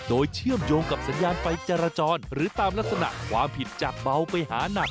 โดยเชื่อมโยงกับสัญญาณไฟจรจรหรือตามลักษณะความผิดจากเบาไปหานัก